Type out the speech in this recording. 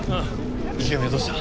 池上はどうした。